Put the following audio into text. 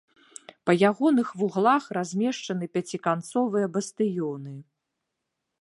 Па ягоных вуглах размешчаны пяціканцовыя бастыёны.